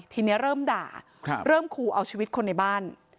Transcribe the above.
ทีนี้เริ่มด่าเริ่มขู่เอาชีวิตคนในบ้าน